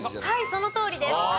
はいそのとおりです。